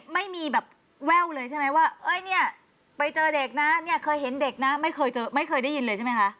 ไม่มีแบบแว่วเลยใช่ไหมว่าเอ้ยเนี่ยไปเจอเด็กนะเนี่ยเคยเห็นเด็กนะไม่เคยเจอไม่เคยได้ยินเลยใช่ไหมคะ